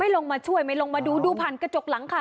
ลงมาช่วยไม่ลงมาดูดูผ่านกระจกหลังค่ะ